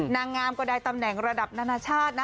นางงามก็ได้ตำแหน่งระดับนานาชาตินะ